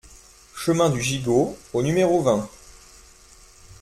Chemin du Gigot au numéro vingt